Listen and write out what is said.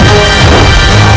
aku akan menang